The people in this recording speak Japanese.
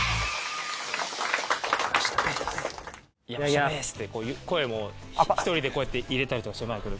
「山下ベース」って声も１人でこうやって入れたりとかしてマイクで。